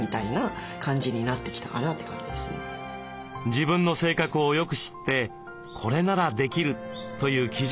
自分の性格をよく知って「これならできる」という基準を設ける。